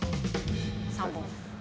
３本。